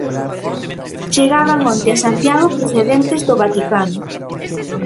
Chegaban onte a Santiago procedentes do Vaticano.